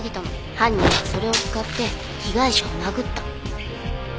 犯人はそれを使って被害者を殴った。